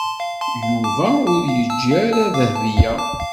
Yuba ur yeǧǧi ara Dahbiya.